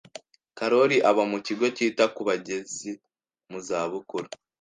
Karoli aba mu kigo cyita ku bageze muzabukuru.